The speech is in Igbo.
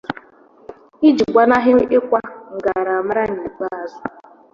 iji gbanahị ịkwa mgaramara n'ikpeazụ.